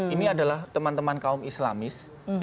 ini adalah teman teman kaum islamis